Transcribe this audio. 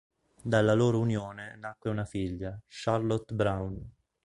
Dalla loro unione nacque una figlia, Charlotte Brown.